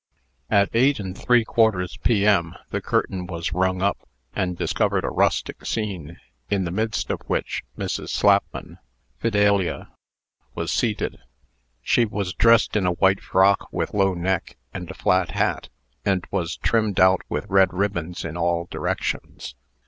At eight and three quarters P.M. the curtain was rung up, and discovered a rustic scene, in the midst of which Mrs. Slapman (Fidelia) was seated. She was dressed in a white frock with low neck, and a flat hat, and was trimmed out with red ribbons in all directions.